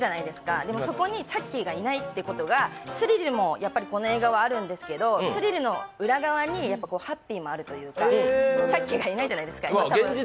でも、そこにチャッキーがいないということが、スリルもこの映画はあるんですけど、スリルの裏側にハッピーもあるというかチャッキーはいないじゃないですか。